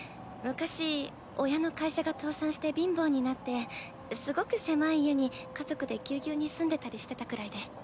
昔親の会社が倒産して貧乏になってすごく狭い家に家族でぎゅうぎゅうに住んでたりしてたくらいで。